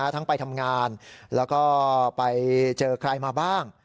ทั้งไปทำงานแล้วก็ไปเจอใครมาบ้าง